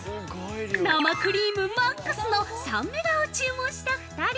◆生クリームマックスの３メガを注文した２人。